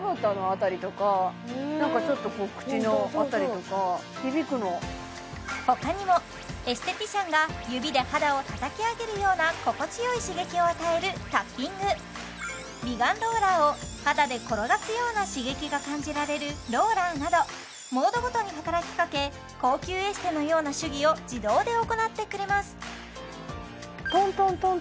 顔かうん顔他にもエステティシャンが指で肌をたたき上げるような心地よい刺激を与えるタッピング美顔ローラーを肌で転がすような刺激が感じられるローラーなどモードごとに働きかけ高級エステのような手技を自動で行ってくれます